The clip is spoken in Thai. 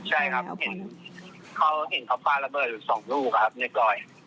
ใช่ครับเขาเห็นเขาฟ้าระเบิดสองลูกครับในกรอย